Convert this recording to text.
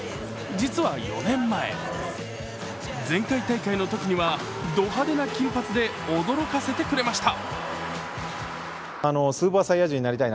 実は４年前、前回大会のときにはド派手な金髪で驚かせてくれました。